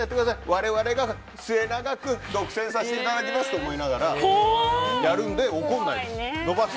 我々が末永く独占させていただきますと思いながらやるので怒らないです。